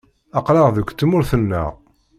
Aql-aɣ deg tmurt-nneɣ.